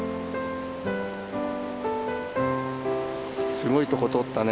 すごいとこ通ったね